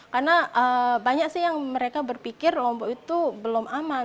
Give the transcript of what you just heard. karena banyak sih yang mereka berpikir lombok itu belum aman